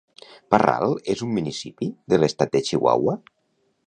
Parral és un municipi de l'estat de Chihuahua.